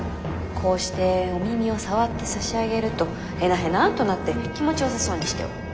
こうしてお耳を触って差し上げるとへなへなっとなって気持ちよさそうにしておる。